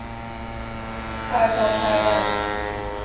پرتاب کردن